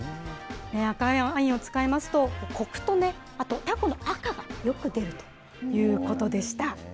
赤ワインを使いますと、こくとあと、タコの赤がよく出るということでした。